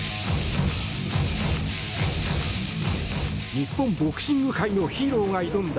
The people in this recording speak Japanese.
日本ボクシング界のヒーローが挑んだ